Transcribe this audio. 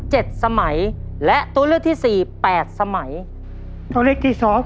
สมัยและตัวเลือกที่สี่แปดสมัยตัวเลือกที่สอง